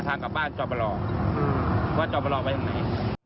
ทางกลับบ้านจอบไปรอว่าจอบไปรอไหน